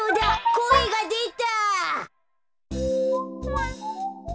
こえがでた。